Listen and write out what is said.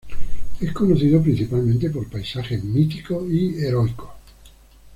Es conocido principalmente por paisajes míticos y heroicos.